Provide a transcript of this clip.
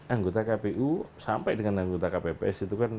anggota kpu sampai dengan anggota kpps itu kan